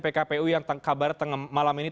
pkpu yang kabarnya malam ini